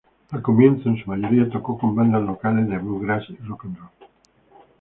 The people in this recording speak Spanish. Al comienzo en su mayoría tocó con bandas locales de bluegrass y rock'n'roll.